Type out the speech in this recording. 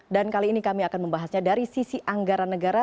dan kali ini kami akan membahasnya dari sisi anggaran negara